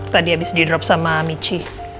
tadi habis di drop sama michi